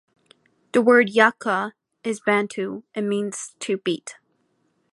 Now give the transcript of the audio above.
The word "Yuka" is Bantu, and means 'to beat'.